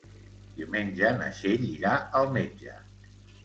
Diumenge na Txell irà al metge.